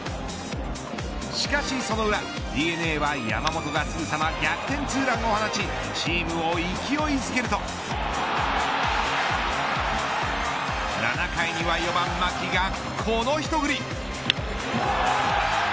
しかしその裏ＤｅＮＡは山本がすぐさま逆転ツーランを放ちチームを勢いづけると７回には４番、牧がこの一振り。